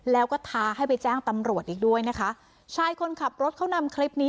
แล้วก็ท้าให้ไปแจ้งตำรวจอีกด้วยนะคะชายคนขับรถเขานำคลิปนี้